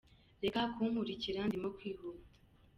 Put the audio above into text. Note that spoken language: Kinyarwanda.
Reka kunkurikira ndimo kwihuta.